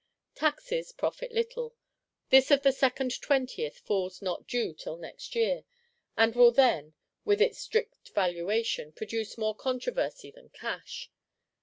Taxes profit little: this of the Second Twentieth falls not due till next year; and will then, with its "strict valuation," produce more controversy than cash.